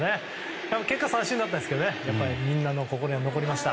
結果、三振だったんですけどみんなの心に残りました。